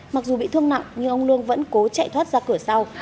mặc dù bị thương nặng nhưng ông lương vẫn cố chạy thoát ra cửa sau